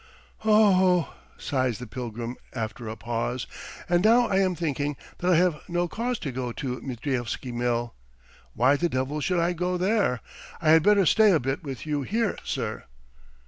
..." "O o oh!" sighs the pilgrim after a pause, "and now I am thinking that I have no cause to go to Mitrievsky Mill. ... Why the devil should I go there? I had better stay a bit with you here, sir.